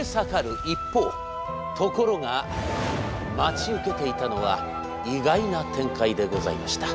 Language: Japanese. ところが待ち受けていたのは意外な展開でございました。